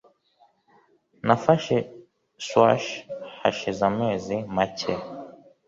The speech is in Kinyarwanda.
Nafashe squash hashize amezi make.